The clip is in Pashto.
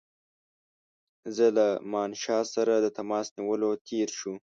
له زمانشاه سره د تماس نیولو تېر شو.